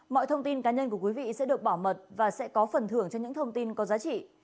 mọi thông tin cá nhân của quý vị sẽ được bảo mật và sẽ có phần thưởng cho những thông tin có giá trị